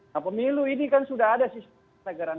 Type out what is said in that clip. nah pemilu ini kan sudah ada di negara